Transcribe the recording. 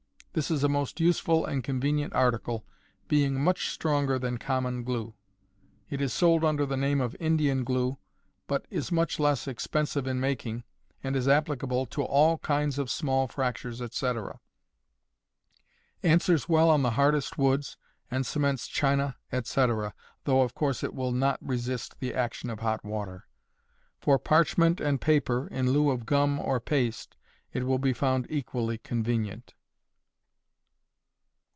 This is a most useful and convenient article, being much stronger than common glue. It is sold under the name of Indian glue, but is much less expensive in making, and is applicable to all kinds of small fractures, etc.; answers well on the hardest woods, and cements china, etc., though, of course, it will not resist the action of hot water. For parchment and paper, in lieu of gum or paste, it will be found equally convenient.